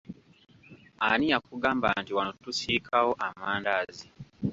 Ani yakugamba nti wano tusiikawo amandaazi?